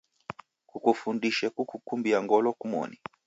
Kukufundishe kukukumbia ngolo kumoni.